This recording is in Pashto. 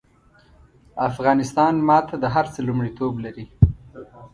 افغانستان ماته د هر څه لومړيتوب لري